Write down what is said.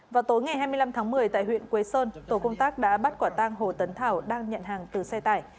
vào tối ngày hai mươi năm tháng một mươi tại huyện quế sơn tổ công tác đã bắt quả tang hồ tấn thảo đang nhận hàng từ xe tải